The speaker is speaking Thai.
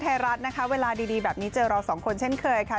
ไทยรัฐนะคะเวลาดีแบบนี้เจอเราสองคนเช่นเคยค่ะ